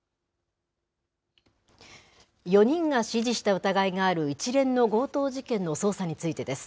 ４人が指示した疑いがある、一連の強盗事件の捜査についてです。